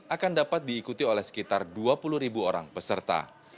akan dapat diikuti oleh sekitar dua puluh ribu orang peserta